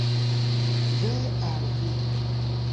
Ve al vi!